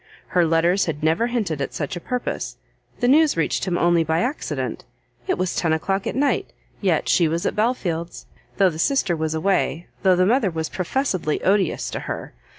Her letters had never hinted at such a purpose, the news reached him only by accident, it was ten o'clock at night, yet she was at Belfield's though the sister was away, though the mother was professedly odious to her!